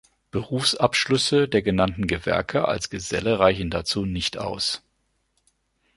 Berufsabschlüsse der genannten Gewerke als Geselle reichen dazu nicht aus.